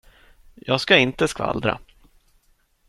Jag ska inte skvallra.